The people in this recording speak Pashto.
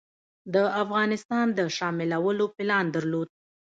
د افغانستان د شاملولو پلان درلود.